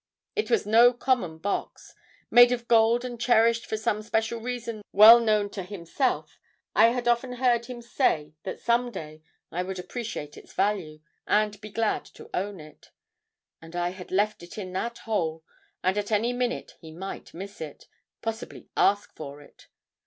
It was no common box. Made of gold and cherished for some special reason well known to himself, I had often hear him say that some day I would appreciate its value, and be glad to own it. And I had left it in that hole and at any minute he might miss it possibly ask for it!